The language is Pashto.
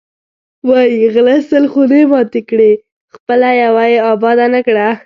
وایی غله سل خونې ماتې کړې، خپله یوه یې اباده نه کړه.